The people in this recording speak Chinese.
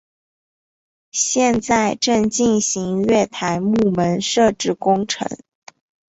现在正进行月台幕门设置工程。